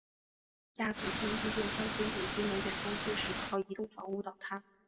亚祖县伊甸乡间也因龙卷风致使一套移动房屋倒塌。